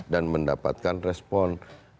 dan mendapatkan respon